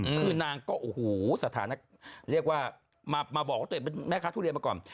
คือนางก็โอ้โหสถานะเรียกว่ามาบอกว่าตัวเองเป็นแม่ค้าทุเรียนมาก่อน